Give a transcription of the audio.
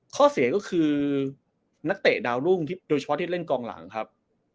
ข้อเสียก็คือนักเตะดาวรุ่งโดยเฉพาะที่เล่นกองหลังครับ